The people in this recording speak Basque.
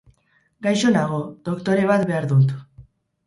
Gaixo nago, doktore bat behar dut.